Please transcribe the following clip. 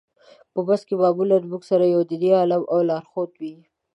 په بس کې معمولا موږ سره یو دیني عالم او لارښود وي.